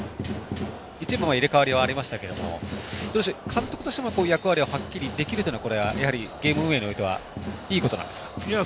一部入れ代わりがありましたが監督としても役割をはっきりできるというのはやはりゲーム運営においてはいいことなんですか。